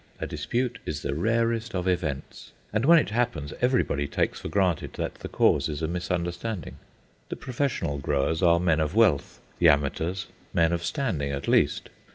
A dispute is the rarest of events, and when it happens everybody takes for granted that the cause is a misunderstanding. The professional growers are men of wealth, the amateurs men of standing at least.